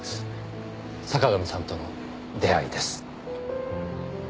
坂上さんとの出会いです。